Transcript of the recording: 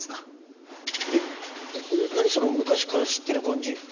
えっ何その昔から知ってる感じ。